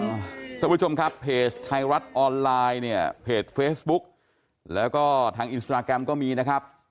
ท่านผู้ชมครับเพจไทยรัฐออนไลน์เนี่ยเพจเฟซบุ๊กแล้วก็ทางอินสตราแกรมก็มีนะครับ